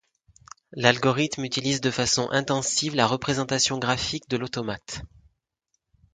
L'algorithme utilise de façon intensive la représentation graphique de l'automate.